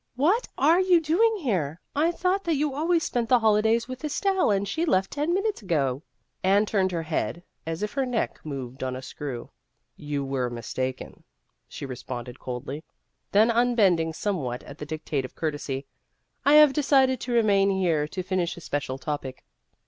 what are you doing here ? I thought that you always spent the holidays with Estelle, and she left ten minutes ago." Anne turned her head as if her neck moved on a screw. " You were mistaken," she responded coldly ; then, unbending somewhat at the dictate of courtesy, " I have decided to remain here to finish a special topic."